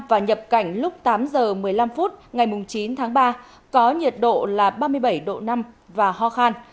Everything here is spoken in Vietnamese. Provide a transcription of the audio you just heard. và nhập cảnh lúc tám giờ một mươi năm phút ngày chín tháng ba có nhiệt độ là ba mươi bảy độ năm và ho khan